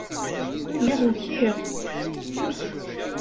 Lliɣ ukiɣ.